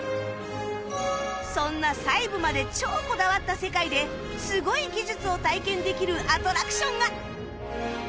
そんな細部まで超こだわった世界でスゴい技術を体験できるアトラクションが！